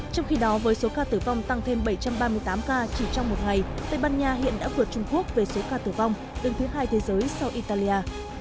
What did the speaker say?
trong khi đó với số ca tử vong tăng thêm bảy trăm ba mươi tám ca chỉ trong một ngày tây ban nha hiện đã vượt trung quốc về số ca tử vong đứng thứ hai thế giới sau italia